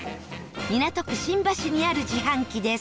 港区新橋にある自販機です